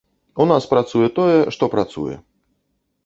У нас працуе тое, што працуе.